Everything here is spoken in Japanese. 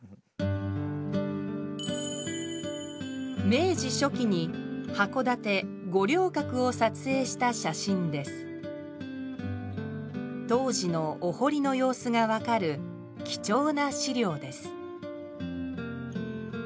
明治初期に函館五稜郭を撮影した写真です当時のお堀の様子が分かる貴重な資料です